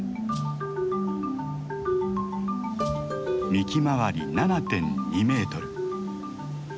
幹周り７．２メートル。